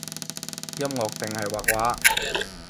音樂定係畫畫？